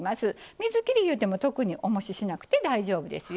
水切りいうてもおもししなくて大丈夫ですよ。